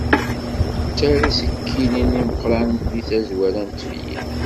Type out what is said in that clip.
Ttarra isekkilen imeqranen deg tazwara n tefyirt.